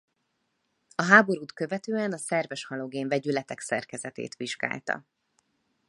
A háborút követően a szerves halogén vegyületek szerkezetét vizsgálta.